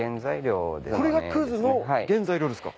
これがの原材料ですか？